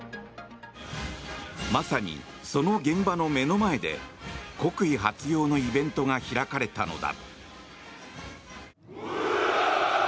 まさに、その現場の目の前で国威発揚のイベントが開かれたのだ。